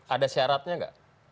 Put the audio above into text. ada syaratnya gak